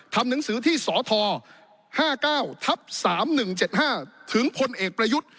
ทำหนังสือที่สธ๕๙ทับ๓๑๗๕ถึงพลเอกประยุทธ์